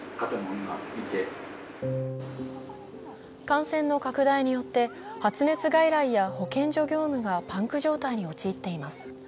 感染の拡大によって発熱外来や保健所業務がパンク状態に陥っています。